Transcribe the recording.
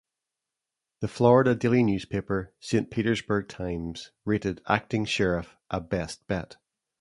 The Florida daily newspaper "Saint Petersburg Times" rated "Acting Sheriff" a "best bet.